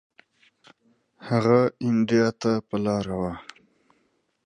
She was on her way to India.